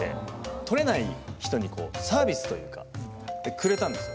とれない人にサービスというかくれたんですよ。